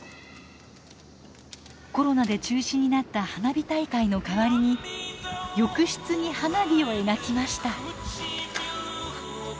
コロナで中止になった花火大会の代わりに浴室に花火を描きました。